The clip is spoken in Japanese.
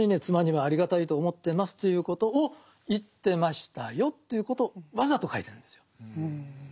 妻にはありがたいと思ってますということを言ってましたよということをわざと書いてるんですよ。